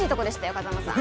風真さん。